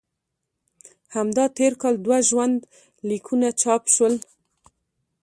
همدا تېر کال دوه ژوند لیکونه چاپ شول.